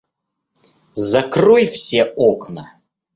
Закрой все окна